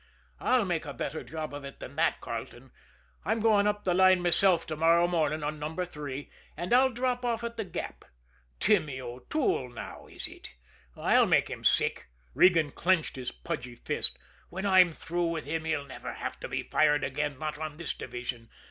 I'll make a better job of it than that, Carleton. I'm going up the line myself to morrow morning on Number Three and I'll drop off at The Gap. Timmy O'Toole now, is it? I'll make him sick!" Regan clenched his pudgy fist. "When I'm through with him he'll never have to be fired again not on this division.